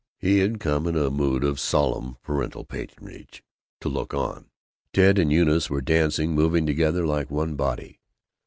He had come, in a mood of solemn parental patronage, to look on. Ted and Eunice were dancing, moving together like one body.